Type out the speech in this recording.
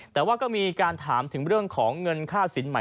แต่ว่าก็มีการถามถึงเรื่องของเงินค่าสินใหม่